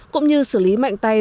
cũng như xử lý mạnh tay